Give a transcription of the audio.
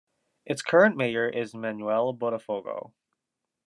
Its current mayor is Manoel Botafogo.